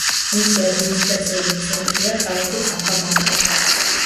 მისი ადმინისტრაციული ცენტრია ქალაქი კახამარკა.